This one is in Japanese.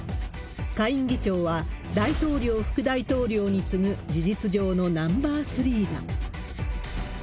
下院議長は、大統領、副大統領に次ぐ、事実上のナンバー３だ。